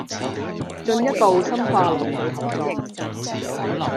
進一步深化兩地合作